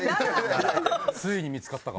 ついに見付かったか。